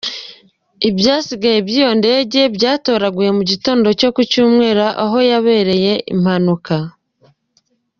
Ibyasigaye by'iyo ndege byatoraguwe mu gitondo cyo ku cyumweru aho habereye impanuka.